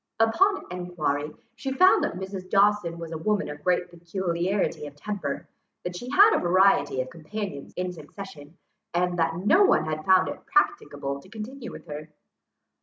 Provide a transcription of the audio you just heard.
Upon enquiry she found that Mrs. Dawson was a woman of great peculiarity of temper, that she had had a variety of companions in succession, and that no one had found it practicable to continue with her.